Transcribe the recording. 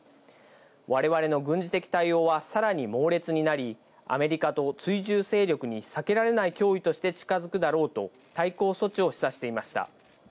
我々の軍事的対応はさらに猛烈になり、アメリカと追従勢力に避けられない脅威として近づくだろうと対抗措置を示唆していました。